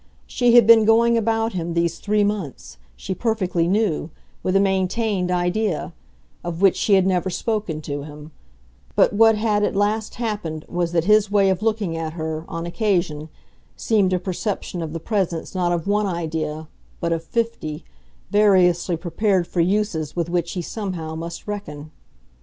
She had been going about him these three months, she perfectly knew, with a maintained idea of which she had never spoken to him; but what had at last happened was that his way of looking at her, on occasion, seemed a perception of the presence not of one idea, but of fifty, variously prepared for uses with which he somehow must reckon.